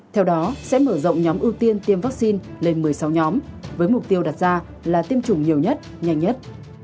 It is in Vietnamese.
theo đó sẽ mở rộng nhóm ưu tiên tiêm vaccine lên một mươi sáu nhóm với mục tiêu đặt ra là tiêm chủng nhiều nhất nhanh nhất